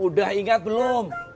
udah ingat belum